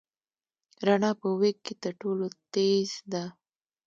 رڼا په وېګ کې تر ټولو تېز ده.